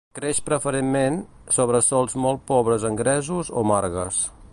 Creix preferentment, sobre sòls molt pobres de gresos o margues.